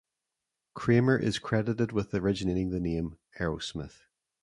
Kramer is credited with originating the name Aerosmith.